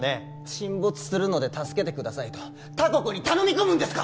沈没するので助けてくださいと他国に頼み込むんですか？